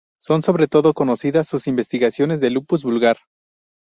Son sobre todo conocidas sus investigaciones del lupus vulgar.